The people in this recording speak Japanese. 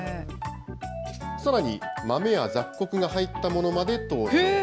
さらに、豆や雑穀が入ったものまで登場。